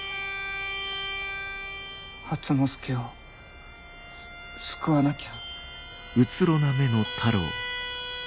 初之助を救わなきゃ。